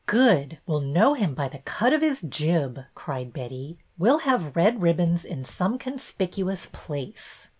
Good! We 'll know him by the ' cut of his jib,' " cried Betty. We 'll have red ribbons in some conspicuous place."